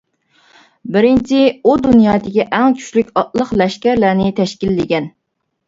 بىرىنچى، ئۇ دۇنيادىكى ئەڭ كۈچلۈك ئاتلىق لەشكەرلەرنى تەشكىللىگەن.